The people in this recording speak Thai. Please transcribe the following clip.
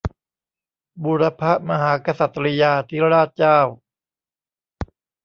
บุรพมหากษัตริยาธิราชเจ้า